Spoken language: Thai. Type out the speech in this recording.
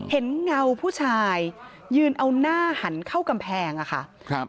เงาผู้ชายยืนเอาหน้าหันเข้ากำแพงอะค่ะครับ